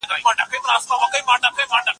هيڅ توجه نه ورته کوي.